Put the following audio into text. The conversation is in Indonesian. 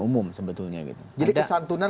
umum sebetulnya gitu jadi kesantunan